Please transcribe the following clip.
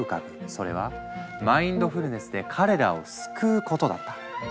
それは「マインドフルネスで彼らを救う」ことだった。